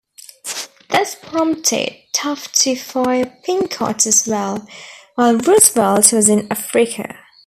This prompted Taft to fire Pinchot as well, while Roosevelt was in Africa.